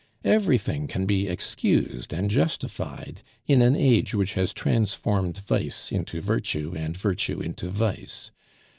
Everything can be excused and justified in an age which has transformed vice into virtue and virtue into vice.